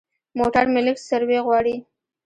موټر مې لږ سروي غواړي.